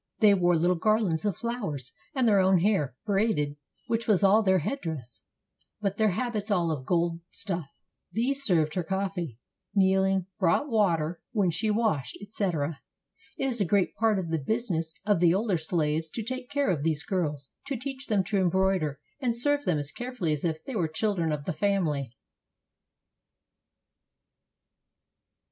They wore little garlands of flowers, and their own hair, braided, which was all their headdress; but their habits all of gold stuffs. These served her coffee, kneeling; brought water 514 DINING WITH THE SULTANA when she washed, etc. It is a great part of the business of the older slaves to take care of these girls, to teach them to embroider, and serve them as carefully as if they were children of the family.